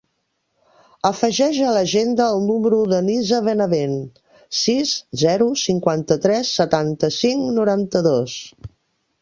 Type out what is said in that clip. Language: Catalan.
Afegeix a l'agenda el número del Nizar Benavent: sis, zero, cinquanta-tres, setanta-cinc, noranta-dos.